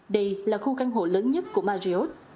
đây là khu căn hộ lớn nhất của marriott